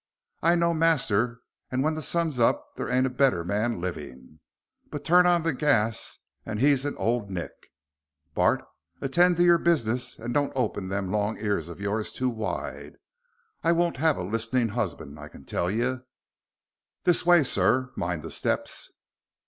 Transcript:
I know master, and when the sun's up there ain't a better man living, but turn on the gas and he's an old Nick. Bart, attend to your business and don't open them long ears of yours too wide. I won't have a listening husband, I can tell you. This way, sir. Mind the steps."